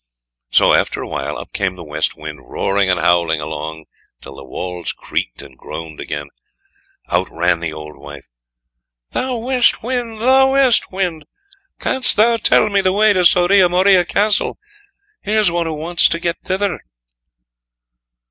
So after a while up came the West Wind, roaring and howling along till the walls creaked and groaned again. Out ran the old wife. "THOU WEST WIND, THOU WEST WIND! Canst thou tell me the way to Soria Moria Castle? Here's one who wants to get thither."